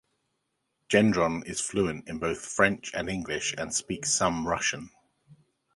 Gendron is fluent in both French and English and speaks some Russian.